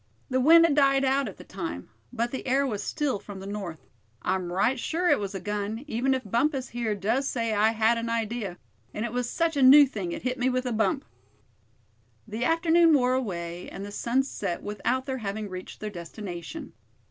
The wind had died out at the time, but the air was still from the north. I'm right sure it was a gun, even if Bumpus here does say I had an idea, and it was such a new thing it hit me with a bump." The afternoon wore away, and the sun set without their having reached their destination.